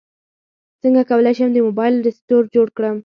څنګه کولی شم د موبایل رسټور جوړ کړم